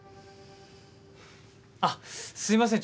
あっすいません